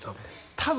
多分。